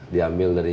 diambil dari kamera hp